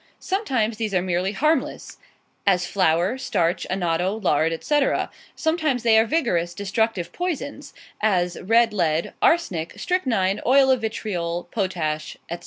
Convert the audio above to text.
Sometimes these are merely harmless; as flour, starch, annatto, lard, etc.; sometimes they are vigorous, destructive poisons as red lead, arsenic, strychnine, oil of vitriol, potash, etc.